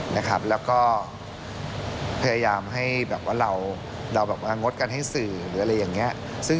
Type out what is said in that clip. พยายามให้เขาวางดกัเดอันให้สื่อ